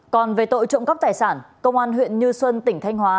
còn về tội trộm cắp tài sản công an huyện như xuân tỉnh thanh hóa